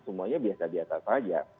semuanya biasa biasa saja